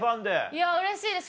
いやうれしいです